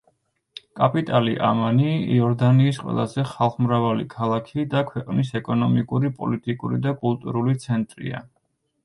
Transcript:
კაპიტალი ამანი იორდანიის ყველაზე ხალხმრავალი ქალაქი და ქვეყნის ეკონომიკური, პოლიტიკური და კულტურული ცენტრია.